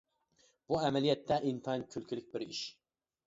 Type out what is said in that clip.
بۇ ئەمەلىيەتتە ئىنتايىن كۈلكىلىك بىر ئىش.